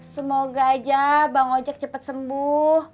semoga aja bang ojek cepat sembuh